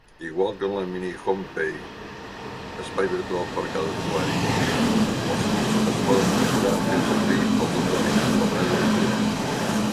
Igual que en la "minihomepy" (espai virtual per a cada usuari), els clubs es poden decorar fent servir els "dotoris" (la moneda virtual).